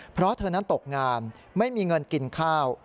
เพราะเธอนั้นตกงานไม่มีเงินกินข้าว